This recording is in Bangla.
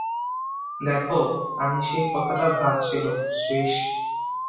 দেখো, আমি সেই কথাটা ভাবছিলুম– শ্রীশ।